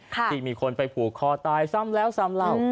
ที่มีคนไปผูกคอตายซ้ำแล้วซ้ำเล่า